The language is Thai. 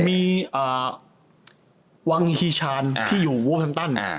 มีวังฮิชาณที่อยู่วังฮิชาณ